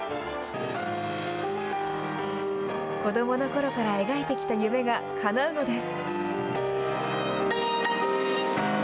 子どものころから描いてきた夢がかなうのです。